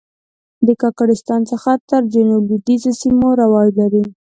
د کاکړستان څخه تر جنوب لوېدیځو سیمو رواج لري.